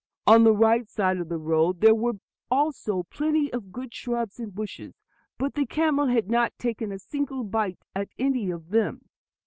On the right side of the road there were also plenty of good shrubs and bushes, but the camel had not taken a single bite at any of them.